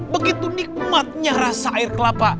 begitu nikmatnya rasa air kelapa